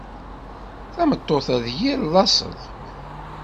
Tameṭṭut-a d yir laṣel.